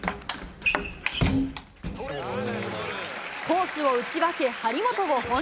コースを打ち分け、張本を翻弄。